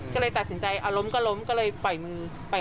ก็เลยตัดสินใจอลมกละล้มก็เลยปล่อยมือซ้าย